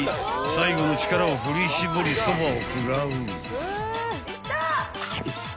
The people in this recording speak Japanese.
［最後の力を振り絞りそばを食らう］